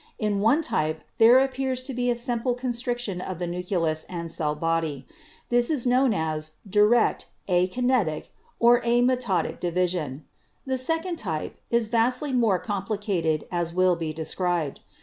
In one type there appears to be a simple constriction of the nucleus and cell body. This is known as 'direct,' 'akinetic' or 'amitotic' division. The second type is vastly more com plicated, as will be described.